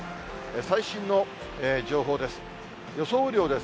最新の情報です。